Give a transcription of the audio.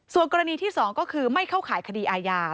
ส่วนกรณีที่๒ก็คือไม่เข้าข่ายคดีอาญา